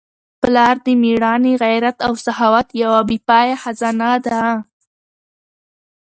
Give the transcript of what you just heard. پلار د مېړانې، غیرت او سخاوت یوه بې پایه خزانه ده.